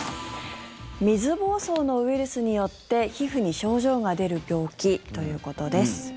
水ぼうそうのウイルスによって皮膚に症状が出る病気ということです。